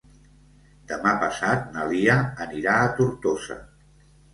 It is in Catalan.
Demà passat na Lia anirà a Tortosa.